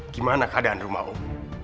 gimana keadaan rumah om